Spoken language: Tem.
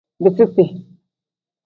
Biiziti.